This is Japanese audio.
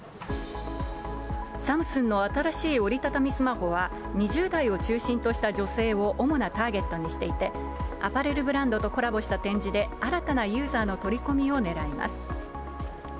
サムスンの新しい折り畳みスマホは、２０代を中心とした女性を主なターゲットにしていて、アパレルブランドとコラボした展示で、新たなユーザーの取り込みをねらいます。